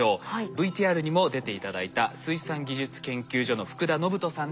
ＶＴＲにも出て頂いた水産技術研究所の福田野歩人さんです。